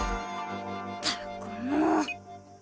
ったくもう！